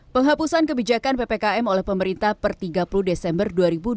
penghapusan kebijakan ppkm oleh pemerintah per tiga puluh desember dua ribu dua puluh